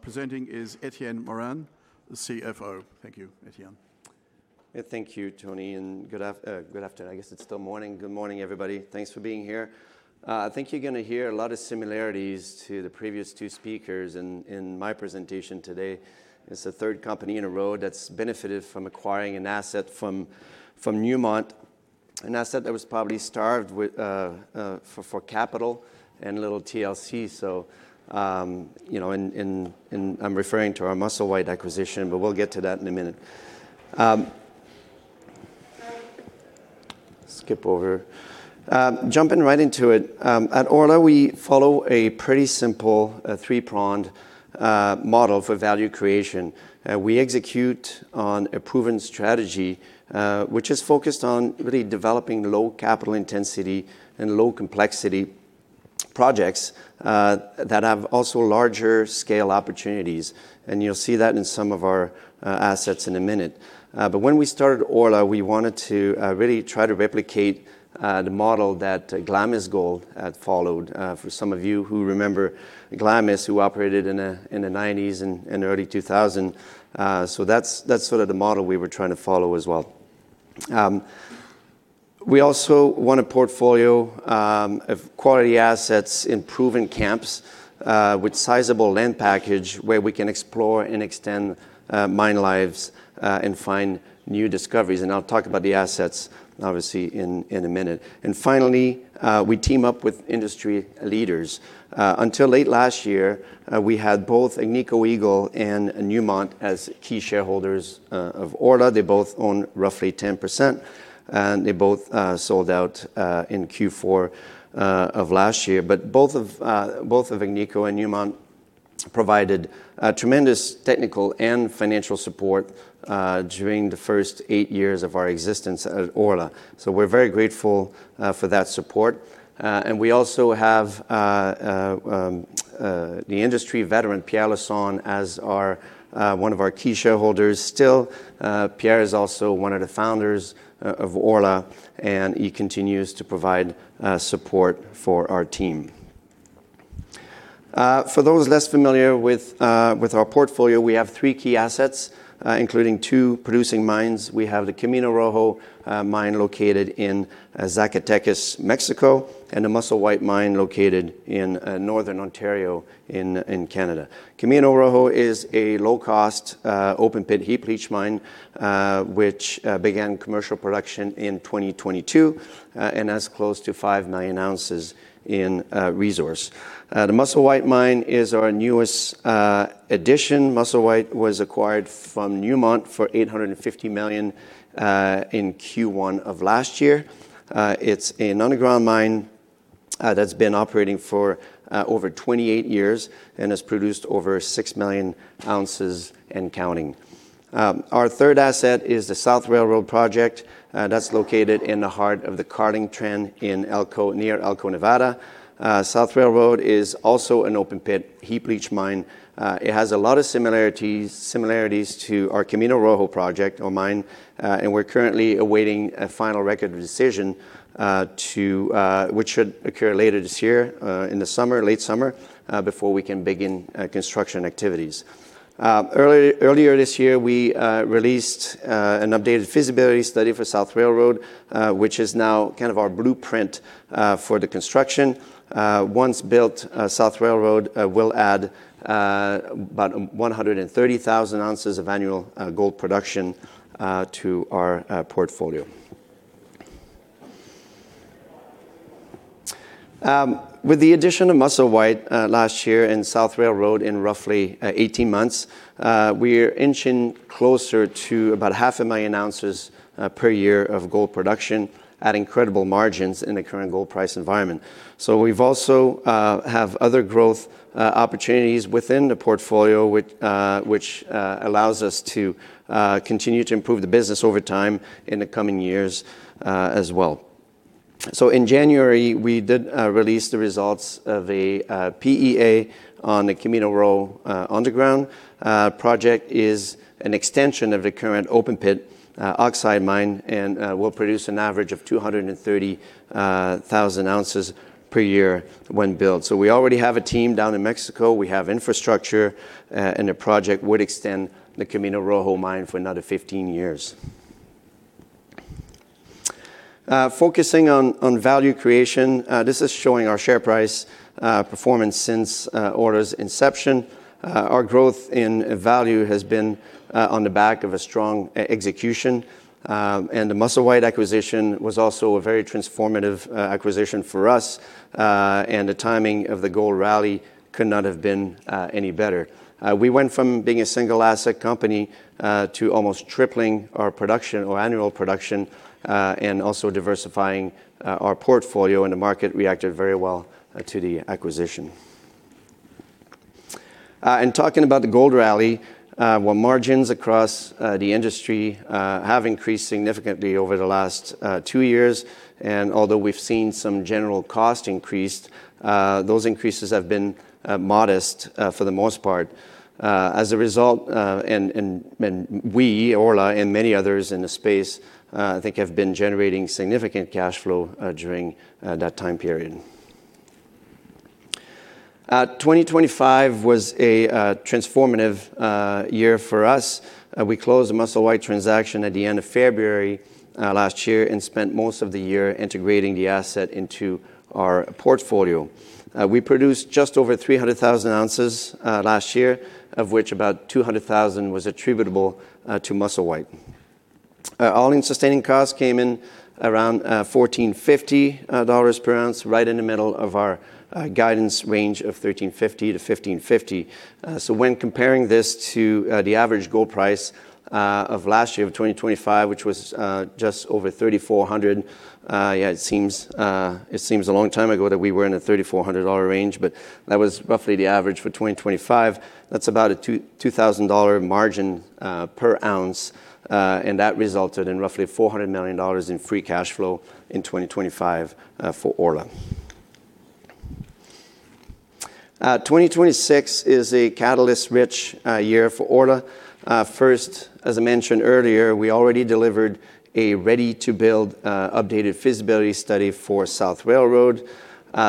Presenting is Etienne Morin, the CFO. Thank you, Etienne. Thank you, Tony. Good afternoon. I guess it's still morning. Good morning, everybody. Thanks for being here. I think you're going to hear a lot of similarities to the previous two speakers in my presentation today. It's the third company in a row that's benefited from acquiring an asset from Newmont, an asset that was probably starved for capital and a little TLC. I'm referring to our Musselwhite acquisition. We'll get to that in a minute. Skip over. Jumping right into it, at Orla, we follow a pretty simple three-pronged model for value creation. We execute on a proven strategy, which is focused on really developing low capital intensity and low complexity projects that have also larger scale opportunities. You'll see that in some of our assets in a minute. When we started Orla, we wanted to really try to replicate the model that Glamis Gold had followed, for some of you who remember Glamis, who operated in the 1990s and early 2000. That's sort of the model we were trying to follow as well. We also want a portfolio of quality assets in proven camps with sizable land package where we can explore and extend mine lives, and find new discoveries, and I'll talk about the assets, obviously, in a minute. Finally, we team up with industry leaders. Until late last year, we had both Agnico Eagle and Newmont as key shareholders of Orla. They both own roughly 10%, and they both sold out in Q4 of last year. Both Agnico and Newmont provided tremendous technical and financial support during the first eight years of our existence at Orla. We're very grateful for that support. We also have the industry veteran, Pierre Lassonde, as one of our key shareholders still. Pierre is also one of the founders of Orla, and he continues to provide support for our team. For those less familiar with our portfolio, we have three key assets, including two producing mines. We have the Camino Rojo mine located in Zacatecas, Mexico, and the Musselwhite mine located in northern Ontario in Canada. Camino Rojo is a low-cost, open-pit heap leach mine, which began commercial production in 2022 and has close to 5 million ounces in resource. The Musselwhite mine is our newest addition. Musselwhite was acquired from Newmont for $850 million in Q1 of last year. It's an underground mine that's been operating for over 28 years and has produced over 6 million ounces and counting. Our third asset is the South Railroad project, that's located in the heart of the Carlin Trend near Elko, Nevada. South Railroad is also an open-pit heap leach mine. It has a lot of similarities to our Camino Rojo project or mine, and we're currently awaiting a final Record of Decision, which should occur later this year in the late summer, before we can begin construction activities. Earlier this year, we released an updated feasibility study for South Railroad, which is now kind of our blueprint for the construction. Once built, South Railroad will add about 130,000 ounces of annual gold production to our portfolio. With the addition of Musselwhite last year and South Railroad in roughly 18 months, we're inching closer to about 500,00 ounces per year of gold production at incredible margins in the current gold price environment. We also have other growth opportunities within the portfolio, which allows us to continue to improve the business over time in the coming years as well. In January, we did release the results of a PEA on the Camino Rojo underground project. It is an extension of the current open-pit oxide mine and will produce an average of 230,000 ounces per year when built. We already have a team down in Mexico. We have infrastructure, and the project would extend the Camino Rojo mine for another 15 years. Focusing on value creation, this is showing our share price performance since Orla's inception. Our growth in value has been on the back of a strong execution, and the Musselwhite acquisition was also a very transformative acquisition for us. The timing of the gold rally could not have been any better. We went from being a single asset company to almost tripling our annual production and also diversifying our portfolio, and the market reacted very well to the acquisition. In talking about the gold rally, while margins across the industry have increased significantly over the last two years, and although we've seen some general cost increases, those increases have been modest for the most part. As a result, we, Orla, and many others in the space, I think, have been generating significant cash flow during that time period. 2025 was a transformative year for us. We closed the Musselwhite transaction at the end of February last year and spent most of the year integrating the asset into our portfolio. We produced just over 300,000 ounces last year, of which about 200,000 was attributable to Musselwhite. All-in sustaining costs came in around $1,450 per ounce, right in the middle of our guidance range of $1,350-$1,550. When comparing this to the average gold price of last year, of 2025, which was just over $3,400, it seems a long time ago that we were in a $3,400 range, but that was roughly the average for 2025. That's about a $2,000 margin per ounce, and that resulted in roughly $400 million in free cash flow in 2025 for Orla. 2026 is a catalyst-rich year for Orla. First, as I mentioned earlier, we already delivered a ready-to-build updated feasibility study for South Railroad.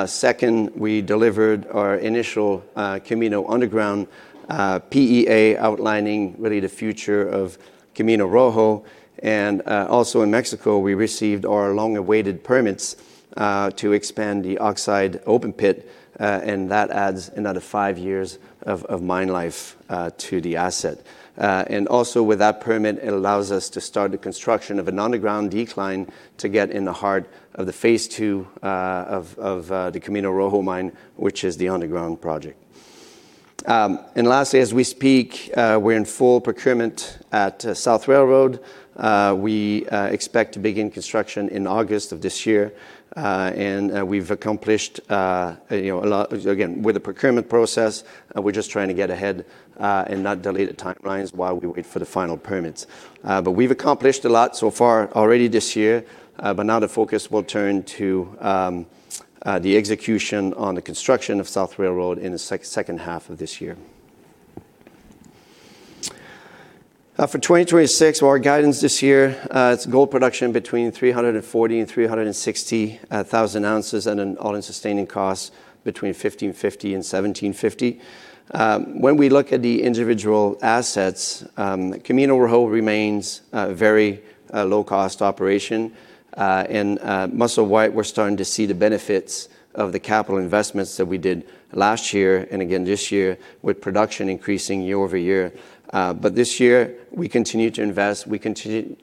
Second, we delivered our initial Camino Underground PEA outlining really the future of Camino Rojo. Also in Mexico, we received our long-awaited permits to expand the oxide open-pit, and that adds another five years of mine life to the asset. With that permit, it allows us to start the construction of an underground decline to get in the heart of the phase II of the Camino Rojo mine, which is the underground project. Lastly, as we speak, we're in full procurement at South Railroad. We expect to begin construction in August of this year. We've accomplished a lot. Again, with the procurement process, we're just trying to get ahead and not delay the timelines while we wait for the final permits. We've accomplished a lot so far already this year, but now the focus will turn to the execution on the construction of South Railroad in the second half of this year. For 2026, our guidance this year, it's gold production between 340,000 and 360,000 ounces and an all-in sustaining cost between $1,550 and $1,750. When we look at the individual assets, Camino Rojo remains a very low-cost operation. In Musselwhite, we're starting to see the benefits of the capital investments that we did last year and again this year with production increasing year-over-year. This year we continue to invest, we continue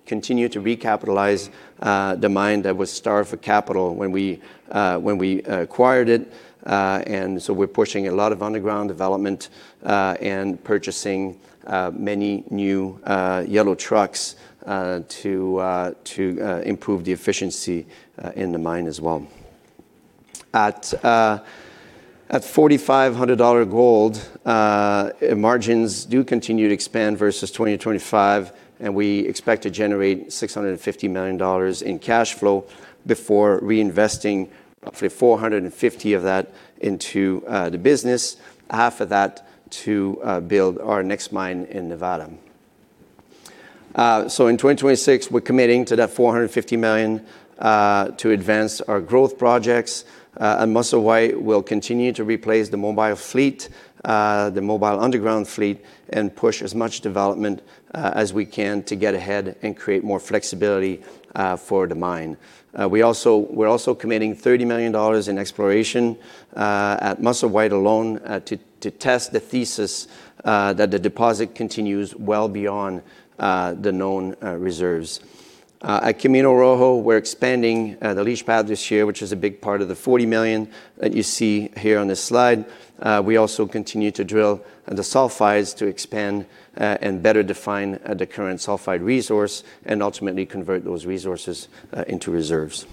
to recapitalize the mine that was starved for capital when we acquired it. We're pushing a lot of underground development and purchasing many new yellow trucks to improve the efficiency in the mine as well. At $4,500 gold, margins do continue to expand versus 2025, and we expect to generate $650 million in cash flow before reinvesting roughly $450 of that into the business, half of that to build our next mine in Nevada. In 2026, we're committing to that $450 million to advance our growth projects. At Musselwhite, we'll continue to replace the mobile fleet, the mobile underground fleet, and push as much development as we can to get ahead and create more flexibility for the mine. We're also committing $30 million in exploration at Musselwhite alone to test the thesis that the deposit continues well beyond the known reserves. At Camino Rojo, we're expanding the leach pad this year, which is a big part of the $40 million that you see here on this slide. We also continue to drill the sulfides to expand and better define the current sulfide resource and ultimately convert those resources into reserves.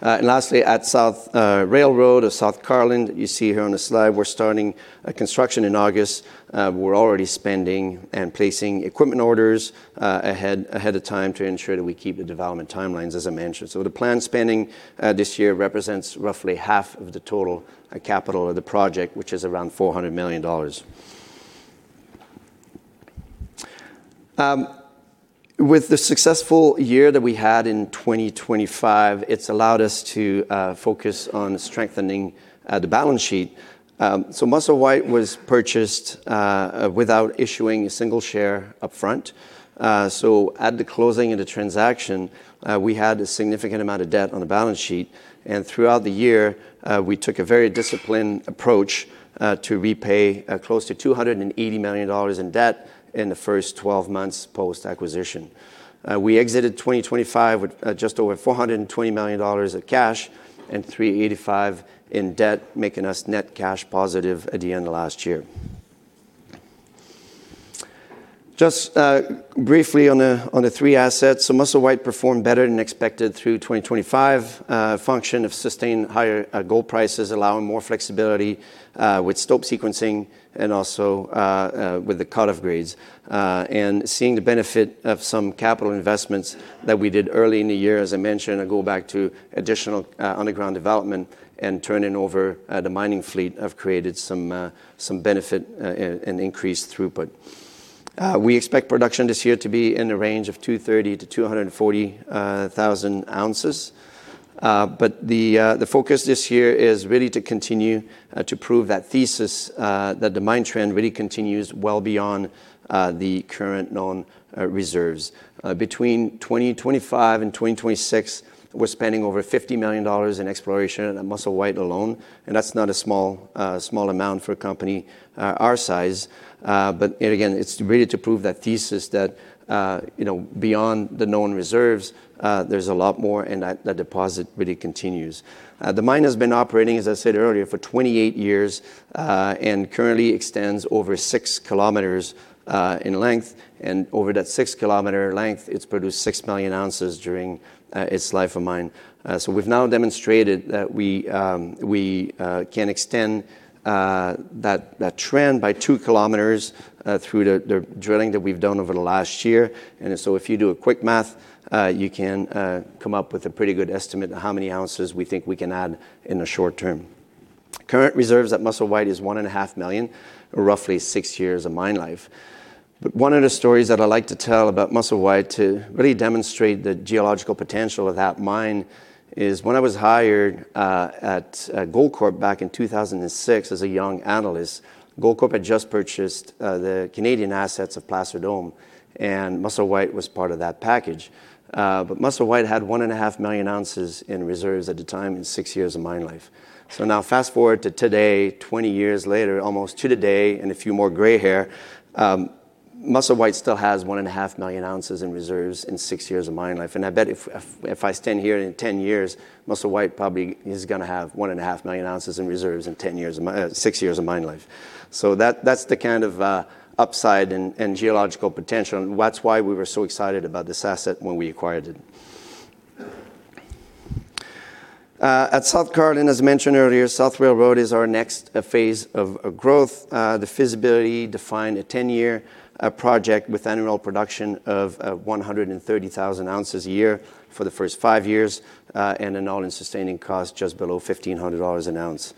Lastly, at South Railroad or South Carlin, you see here on the slide, we're starting construction in August. We're already spending and placing equipment orders ahead of time to ensure that we keep the development timelines, as I mentioned. The planned spending this year represents roughly half of the total capital of the project, which is around $400 million. With the successful year that we had in 2025, it's allowed us to focus on strengthening the balance sheet. Musselwhite was purchased without issuing a single share up front. At the closing of the transaction, we had a significant amount of debt on the balance sheet, and throughout the year, we took a very disciplined approach to repay close to $280 million in debt in the first 12 months post-acquisition. We exited 2025 with just over $420 million of cash and $385 in debt, making us net cash positive at the end of last year. Just briefly on the three assets. Musselwhite performed better than expected through 2025, function of sustained higher gold prices, allowing more flexibility with stope sequencing and also with the cut-off grades. Seeing the benefit of some capital investments that we did early in the year, as I mentioned, I go back to additional underground development and turning over the mining fleet have created some benefit and increased throughput. We expect production this year to be in the range of 230,000 ounces-240,000 ounces. The focus this year is really to continue to prove that thesis that the mine trend really continues well beyond the current known reserves. Between 2025 and 2026, we're spending over $50 million in exploration at Musselwhite alone, and that's not a small amount for a company our size. Again, it's really to prove that thesis that beyond the known reserves, there's a lot more and that deposit really continues. The mine has been operating, as I said earlier, for 28 years, and currently extends over 6 km in length. Over that 6 km length, it's produced 6 million ounces during its life of mine. We've now demonstrated that we can extend that trend by 2 km through the drilling that we've done over the last year. If you do quick math, you can come up with a pretty good estimate of how many ounces we think we can add in the short term. Current reserves at Musselwhite is 1.5 million, roughly six years of mine life. One of the stories that I like to tell about Musselwhite to really demonstrate the geological potential of that mine is when I was hired at Goldcorp back in 2006 as a young analyst, Goldcorp had just purchased the Canadian assets of Placer Dome, and Musselwhite was part of that package. Musselwhite had 1.5 million ounces in reserves at the time in six years of mine life. Now fast-forward to today, 20 years later, almost to the day, and a few more gray hair, Musselwhite still has 1.5 million ounces in reserves and six years of mine life. I bet if I stand here in 10 years, Musselwhite probably is going to have 1.5 million ounces in reserves in six years of mine life. That's the kind of upside and geological potential, and that's why we were so excited about this asset when we acquired it. At South Carlin, as mentioned earlier, South Railroad is our next phase of growth. The feasibility defined a 10-year project with annual production of 130,000 ounces a year for the first five years, and an all-in sustaining cost just below $1,500 an ounce.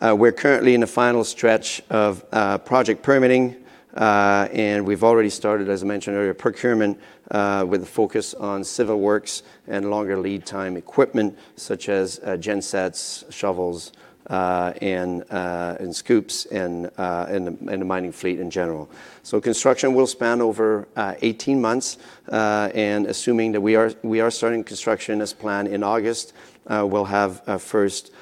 We're currently in the final stretch of project permitting, and we've already started, as I mentioned earlier, procurement, with a focus on civil works and longer lead time equipment such as gensets, shovels, and scoops, and the mining fleet in general. Construction will span over 18 months, and assuming that we are starting construction as planned in August, we'll have first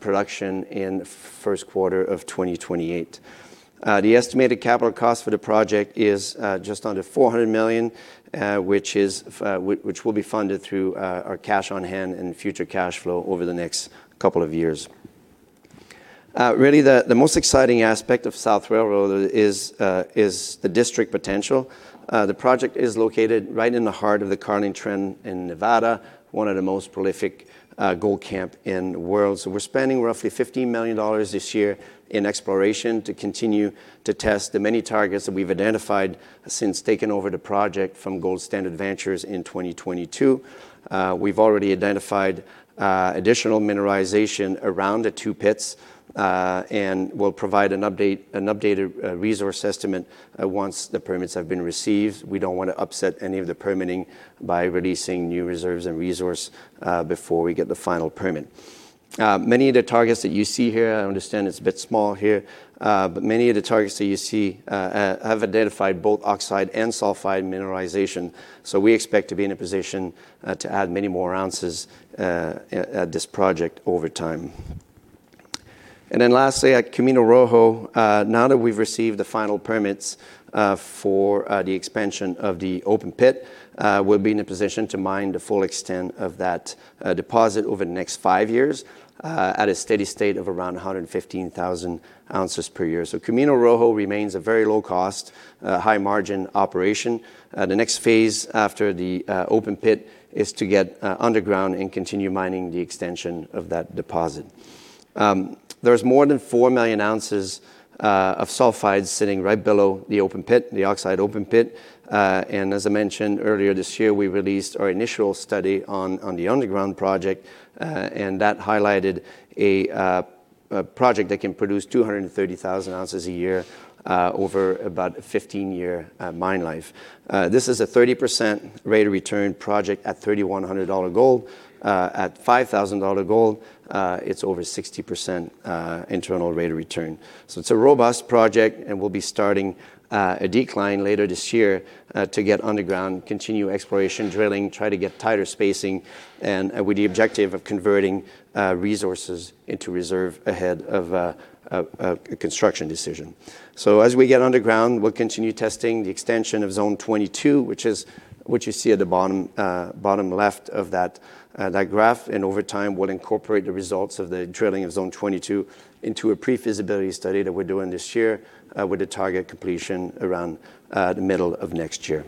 production in first quarter of 2028. The estimated capital cost for the project is just under $400 million, which will be funded through our cash on hand and future cash flow over the next couple of years. Really, the most exciting aspect of South Railroad is the district potential. The project is located right in the heart of the Carlin Trend in Nevada, one of the most prolific gold camp in the world. We're spending roughly $15 million this year in exploration to continue to test the many targets that we've identified since taking over the project from Gold Standard Ventures in 2022. We've already identified additional mineralization around the two pits, and we'll provide an updated resource estimate once the permits have been received. We don't want to upset any of the permitting by releasing new reserves and resource before we get the final permit. Many of the targets that you see here, I understand it's a bit small here, but many of the targets that you see have identified both oxide and sulfide mineralization. We expect to be in a position to add many more ounces at this project over time. Lastly, at Camino Rojo, now that we've received the final permits for the expansion of the open pit, we'll be in a position to mine the full extent of that deposit over the next five years at a steady state of around 115,000 ounces per year. Camino Rojo remains a very low cost, high margin operation. The next phase after the open pit is to get underground and continue mining the extension of that deposit. There's more than 4 million ounces of sulfides sitting right below the oxide open-pit. As I mentioned earlier this year, we released our initial study on the underground project, and that highlighted a project that can produce 230,000 ounces a year over about a 15-year mine life. This is a 30% rate of return project at $3,100 gold. At $5,000 gold, it's over 60% internal rate of return. It's a robust project, and we'll be starting a decline later this year to get underground, continue exploration, drilling, try to get tighter spacing, and with the objective of converting resources into reserve ahead of a construction decision. As we get underground, we'll continue testing the extension of Zone 22, which you see at the bottom left of that graph. Over time, we'll incorporate the results of the drilling of Zone 22 into a pre-feasibility study that we're doing this year, with the target completion around the middle of next year.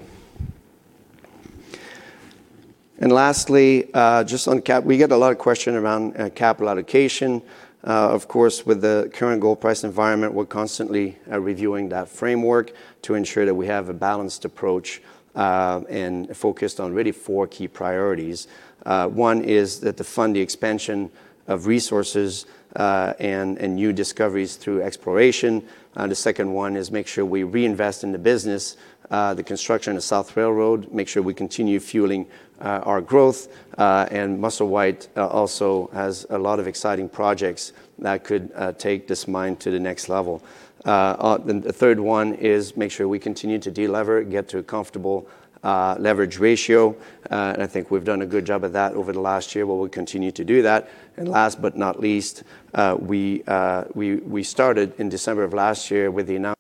Lastly, we get a lot of question around capital allocation. Of course, with the current gold price environment, we're constantly reviewing that framework to ensure that we have a balanced approach, and focused on really four key priorities. One is that to fund the expansion of resources and new discoveries through exploration. The second one is make sure we reinvest in the business, the construction of South Railroad, make sure we continue fueling our growth. Musselwhite also has a lot of exciting projects that could take this mine to the next level. The third one is make sure we continue to deliver, get to a comfortable leverage ratio. I think we've done a good job of that over the last year, but we'll continue to do that. And last but not least, we started in December of last year with announcement.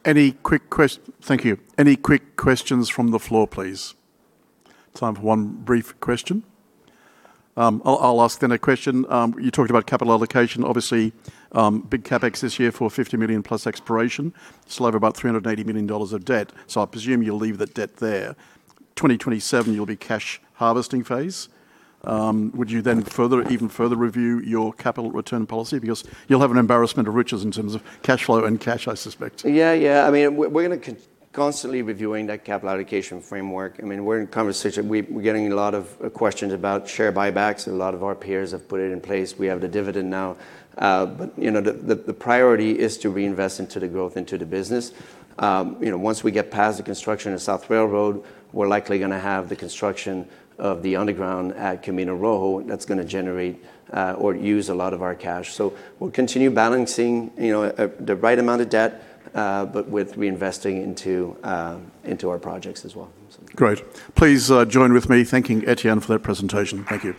Just about run out of time. Any questions? Thank you. Any quick questions from the floor, please? There is time for one brief question. I'll ask then a question. You talked about capital allocation. Obviously, big CapEx this year for $50 million-plus exploration. You still have about $380 million of debt, so I presume you'll leave the debt there. In 2027, you'll be cash harvesting phase. Would you then even further review your capital return policy because you'll have an embarrassment of riches in terms of cash flow and cash, I suspect? Yeah. We're constantly reviewing that capital allocation framework. We're in conversation. We're getting a lot of questions about share buybacks, and a lot of our peers have put it in place. We have the dividend now. The priority is to reinvest into the growth into the business. Once we get past the construction of South Railroad, we're likely going to have the construction of the underground at Camino Rojo. That's going to generate, or use a lot of our cash. We'll continue balancing the right amount of debt, but with reinvesting into our projects as well. Great. Please join with me thanking Etienne for that presentation. Thank you.